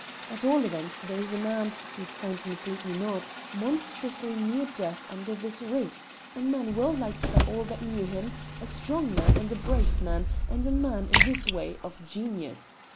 At all events there is a man, if signs mislead me not, monstrously near death under this roof, a man well liked by all that know him, a strong man and a brave man, and a man, in his way, of genius.